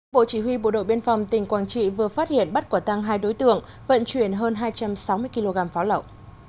bộ chỉ huy bộ đội biên phòng tỉnh quảng trị vừa phát hiện bắt quả tăng hai đối tượng vận chuyển hơn hai trăm sáu mươi kg pháo lậu